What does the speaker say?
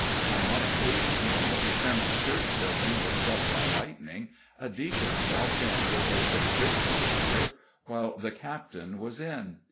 On one occasion, when Mrs. Simmons's church building was struck by lightning, a deacon dropped in with a subscription paper, while the captain was in.